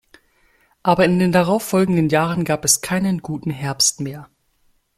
Aber in den darauf folgenden Jahren gab es keinen guten Herbst mehr.